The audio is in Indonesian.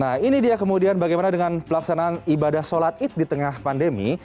nah ini dia kemudian bagaimana dengan pelaksanaan ibadah sholat id di tengah pandemi